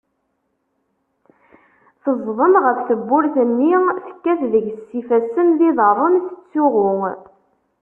Teẓdem ɣef tewwurt-nni, tekkat deg-s s ifassen d iḍarren, tettsuɣu.